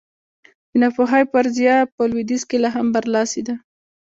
د ناپوهۍ فرضیه په لوېدیځ کې لا هم برلاسې ده.